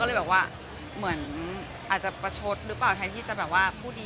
เขาก็เลยว่าเหมือนอาจจะประชดริป่าวแทนที่จะแบบว่าพูดดี